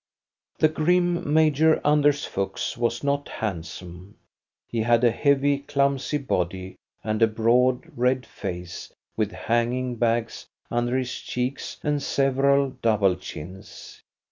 The grim Major Anders Fuchs was not handsome. He had a heavy, clumsy body, and a broad, red face, with hanging bags under his cheeks and several double chins.